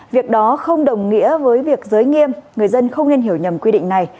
việc đó không đồng nghĩa với việc giới nghiêm người dân không nên hiểu nhầm quy định này